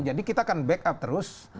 jadi kita akan back up terus